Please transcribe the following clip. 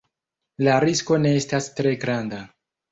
La risko ne estas tre granda.